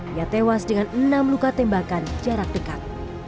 ia tewas dengan enam luka tembakan jarak dekat